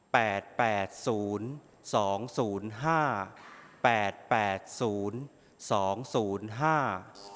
แปดแปดศูนย์สองศูนย์ห้าแปดแปดศูนย์สองศูนย์ห้า